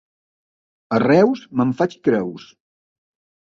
A Reus me'n faig creus.